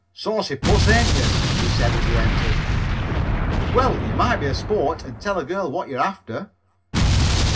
"Saucy puss, ain't you?" he said, as he entered. "Well, you might be a sport and tell a girl what you're after."